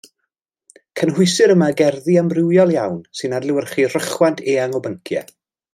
Cynhwysir yma gerddi amrywiol iawn sy'n adlewyrchu rhychwant eang o bynciau.